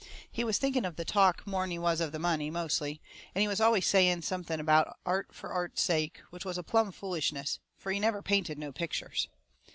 He was thinking of the TALK more'n he was of the money, mostly; and he was always saying something about art fur art's sake, which was plumb foolishness, fur he never painted no pictures.